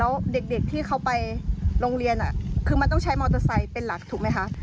แล้วเด็กที่เขาไปโรงเรียนคือมันต้องใช้มอเตอร์ไซค์เป็นหลักถูกไหมคะ